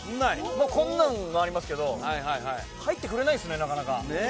こんなんはありますけど入ってくれないですねなかなか。ねぇ！